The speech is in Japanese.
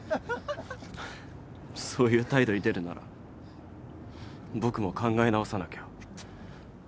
そういう態度に出るなら僕も考え直さなきゃ。